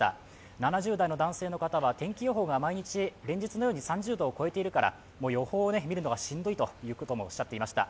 ７０代の男性の方は天気予報が連日のように３０度を超えているからもう予報を見るのがしんどいということもおっしゃっていました。